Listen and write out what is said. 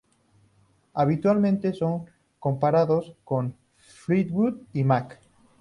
Habitualmente son comparados con Fleetwood Mac.